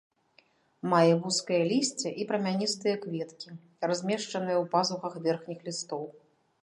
Мае вузкае лісце і прамяністыя кветкі, размешчаныя ў пазухах верхніх лістоў.